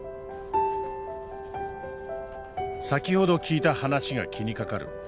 先ほど聞いた話が気にかかる。